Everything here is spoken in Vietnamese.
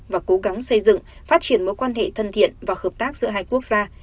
và cố gắng xây dựng phát triển mối quan hệ thân thiện và hợp tác giữa hai quốc gia